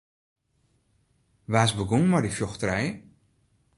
Wa is begûn mei dy fjochterij?